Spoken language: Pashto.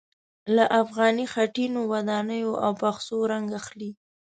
له افغاني خټينو ودانیو او پخڅو رنګ اخلي.